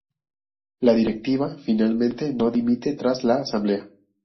La directiva, finalmente no dimite tras la asamblea.